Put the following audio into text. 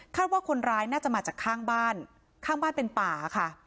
ว่าคนร้ายน่าจะมาจากข้างบ้านข้างบ้านเป็นป่าค่ะ